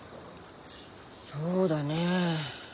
そうだねえ。